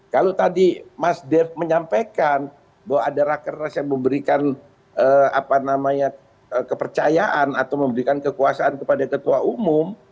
kalau tadi mas dev menyampaikan bahwa ada rakernas yang memberikan kepercayaan atau memberikan kekuasaan kepada ketua umum